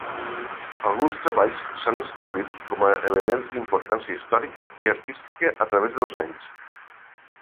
Alguns treballs s'han establit com a elements d'importància històrica i artística a través dels anys.